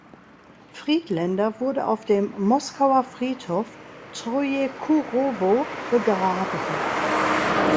Friedländer wurde auf dem Moskauer Friedhof Trojekurowo begraben.